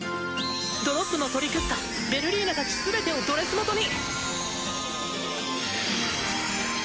ドロップのトリクスタヴェルリーナたちすべてをドレス元に！